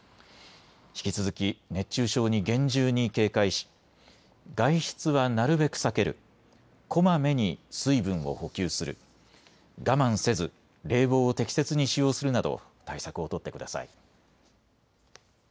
引き続き熱中症に厳重に警戒し外出はなるべく避ける、こまめに水分を補給する、我慢せず冷房を適切に使用するなど対策を取ってください。